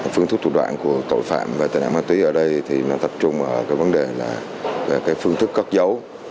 phương thức tụ đoạn của tội phạm về tình ảnh ma túy ở đây tập trung vào vấn đề phương thức cất dấu